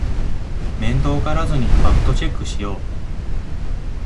面倒がらずにファクトチェックしよう